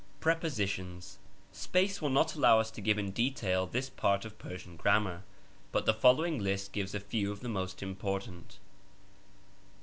PREPOSITIONS. Space will not allow us to give in detail this part of Persian grammar, but the following list gives a few of the most important